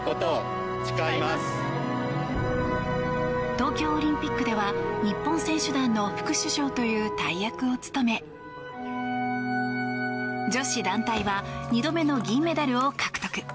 東京オリンピックでは日本選手団の副主将という大役を務め、女子団体は２度目の銀メダルを獲得。